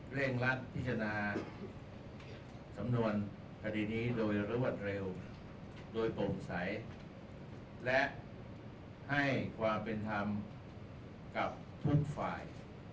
เร่งรัดพิจารณาสำนวนคดีนี้โดยรวดเร็วโดยโปร่งใสและให้ความเป็นธรรมกับทุกฝ่าย